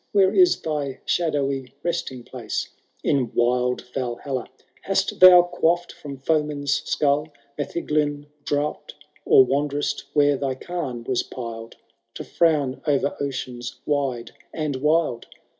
Where is thy shadowy resting place ? In wild Valhalla hast thou quaff "d From fi>eman\i skull metheglin draught. Or wanderVt where thy cairn was piled To frown o*er oceans wide and wild